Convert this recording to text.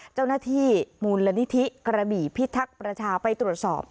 เจ้าหน้าที่มูลนิธิกระบี่พิทักษ์ประชาไปตรวจสอบ